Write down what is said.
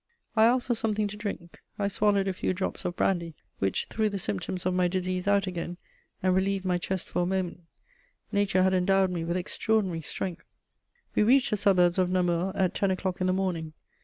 I asked for something to drink; I swallowed a few drops of brandy, which threw the symptoms of my disease out again and relieved my chest for a moment: nature had endowed me with extraordinary strength. We reached the suburbs of Namur at ten o'clock in the morning.